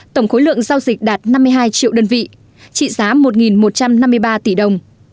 tổng khối lượng giao dịch đạt năm mươi hai triệu đơn vị trị giá một một trăm năm mươi ba tỷ đồng